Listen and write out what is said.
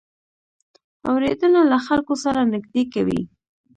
اورېدنه له خلکو سره نږدې کوي.